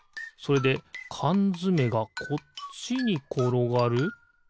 それでかんづめがこっちにころがる？